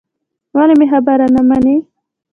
ولې مې خبره نه منې.